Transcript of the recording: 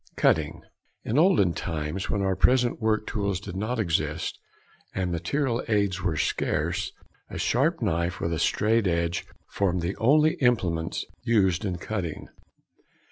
CUTTING. In olden times, when our present work tools did not exist and material aids were scarce, a sharp knife and straight edge formed the only implements used in cutting.